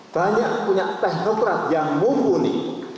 banyak punya teknokrat yang mumpuni